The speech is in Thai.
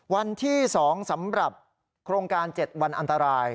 วันที่๒สำหรับโครงการ๗วันอันตราย